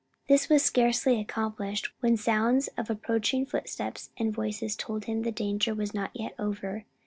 This was scarcely accomplished, when sounds of approaching footsteps and voices told him the danger was not yet over.